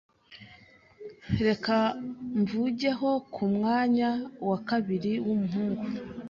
Reka mvugeho ku mwana wa kabiri w’umuhungu,